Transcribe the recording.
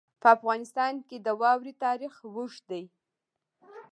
په افغانستان کې د واوره تاریخ اوږد دی.